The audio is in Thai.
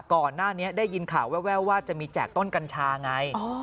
ก่อนหน้านี้ได้ยินข่าวแววว่าจะมีแจกต้นกัญชาไง